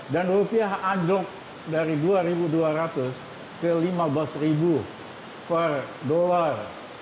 dan rupiah ajok dari rp dua dua ratus ke rp lima belas per dolar